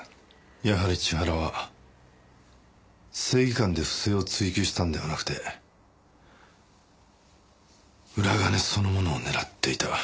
やはり千原は正義感で不正を追及したのではなくて裏金そのものを狙っていた。